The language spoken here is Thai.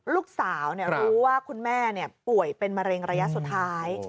ลูกสาวรู้ว่าคุณแม่ป่วยเป็นมะเร็งระยะสุดท้าย